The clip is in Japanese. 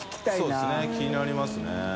そうですね気になりますね。